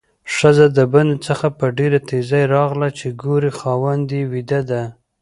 ښځه د باندې څخه په ډېره تیزۍ راغله چې ګوري خاوند یې ويده ده؛